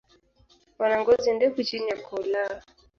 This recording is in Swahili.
Wana ngozi ndefu chini ya koo lao.